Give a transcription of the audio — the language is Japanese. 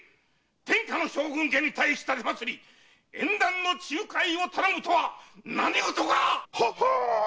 天下の将軍家に対したてまつり縁談の仲介を頼むとは何ごとかっ‼ははーっ！